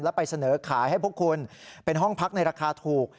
แล้วไปเสนอขายให้พวกคุณเป็นห้องพักในราคาถูก